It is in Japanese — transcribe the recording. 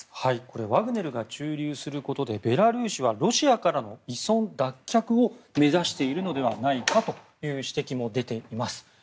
ワグネルが駐留することでベラルーシはロシアからの依存脱却を目指しているのではないかという指摘も出ています。